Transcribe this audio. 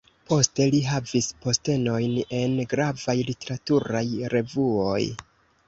Poste li havis postenojn en gravaj literaturaj revuoj.